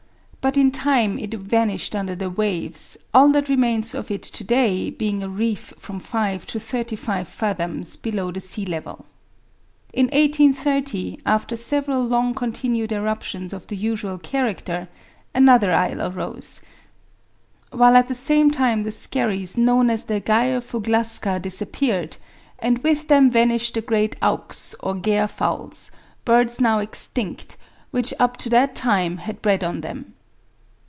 But in time it vanished under the waves, all that remains of it to day being a reef from five to thirty five fathoms below the sea level. In 1830, after several long continued eruptions of the usual character, another isle arose; while at the same time the skerries known as the Geirfuglaska disappeared, and with them vanished the great auks, or gare fowls birds now extinct which up to that time had bred on them.